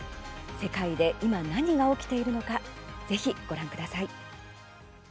世界で今、何が起きているのかぜひご覧ください。